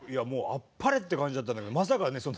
もうあっぱれって感じだったんだけどまさかね